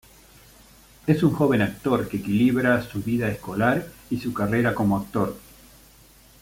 Es un joven actor que equilibra su vida escolar y su carrera como actor.